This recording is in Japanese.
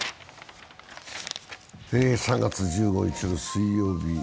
３月１５日の水曜日。